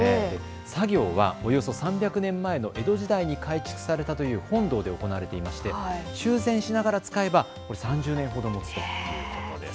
作業は、およそ３００年前の江戸時代に改築されたという本堂で行われていて修繕をしながら使えば３０年ほどもつということです。